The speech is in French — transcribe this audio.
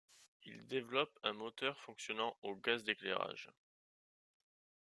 Ils développent un moteur fonctionnant au gaz d'éclairage.